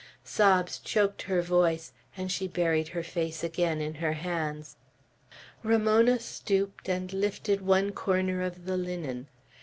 Sobs choked her voice, and she buried her face again in her hands. Ramona stooped, and lifted one corner of the linen.